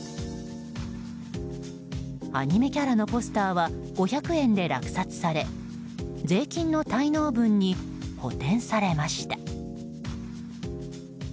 アニメキャラのポスターは５００円で落札され税金の滞納分に補填されました。